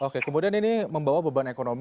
oke kemudian ini membawa beban ekonomi